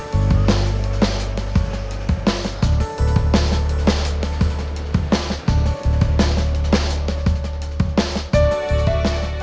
ini pasti pik cewek